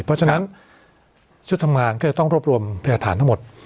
เพราะฉะนั้นชุดทำงานก็จะต้องรวบรวมพยาฐานทั้งหมด